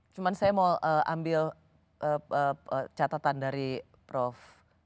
cuma saya mau ambil catatan dari prof